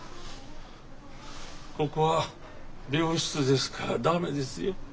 ここは病室ですから駄目ですよ。